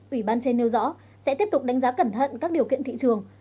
ủy ban trên nêu rõ sẽ tiếp tục đánh giá cẩn thận các điều kiện thị trường